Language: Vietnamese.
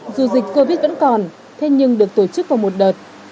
dù dịch covid vẫn còn thế nhưng được tổ chức vào một đợt